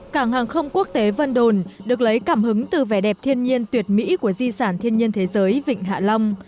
cảng hàng không quốc tế vân đồn được lấy cảm hứng từ vẻ đẹp thiên nhiên tuyệt mỹ của di sản thiên nhiên thế giới vịnh hạ long